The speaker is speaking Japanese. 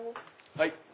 はい。